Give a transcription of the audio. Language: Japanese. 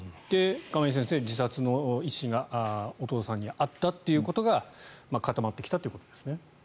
亀井先生、自殺の意思がお父さんにあったということが固まってきたということですね。